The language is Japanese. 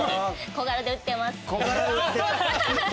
小柄で売ってた！